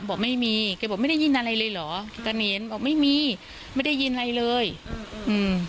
บอกไม่มีแกบอกไม่ได้ยินอะไรเลยเหรอตะเนรบอกไม่มีไม่ได้ยินอะไรเลยอืม